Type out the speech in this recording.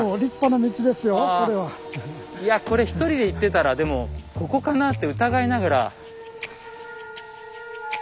いやこれ１人で行ってたらでもここかなって疑いながら。